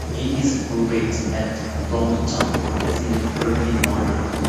He is buried at Brompton Cemetery in London.